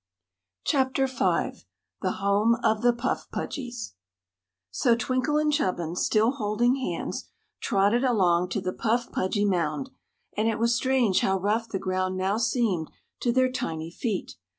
Chapter V The Home of the Puff Pudgys SO Twinkle and Chubbins, still holding hands, trotted along to the Puff Pudgy mound, and it was strange how rough the ground now seemed to their tiny feet.